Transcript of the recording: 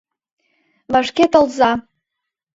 Вашке толза-а!..